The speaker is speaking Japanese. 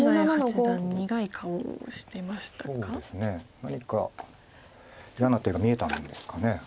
何か嫌な手が見えたんですかね。